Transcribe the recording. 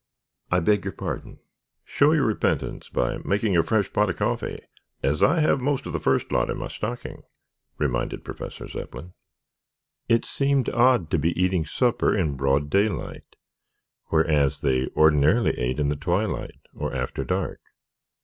"I beg your pardon." "Show your repentance by making a fresh pot of coffee, as I have most of the first lot in my stocking," reminded Professor Zepplin. It seemed odd to be eating supper in broad daylight, whereas they ordinarily ate in the twilight or after dark.